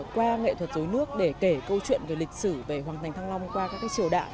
qua nghệ thuật dối nước để kể câu chuyện về lịch sử về hoàng thành thăng long qua các triều đại